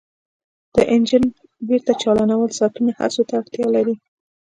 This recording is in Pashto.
د انجن بیرته چالانول ساعتونو هڅو ته اړتیا لري